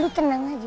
lo tenang aja